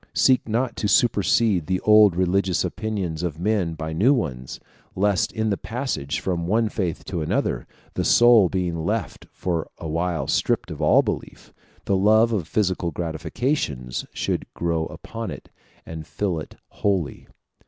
Seek not to supersede the old religious opinions of men by new ones; lest in the passage from one faith to another, the soul being left for a while stripped of all belief, the love of physical gratifications should grow upon it and fill it wholly.